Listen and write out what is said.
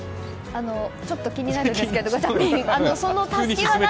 ちょっと気になるんですけどガチャピンそのたすきは何？